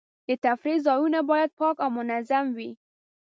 د تفریح ځایونه باید پاک او منظم وي.